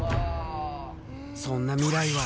そんな未来は。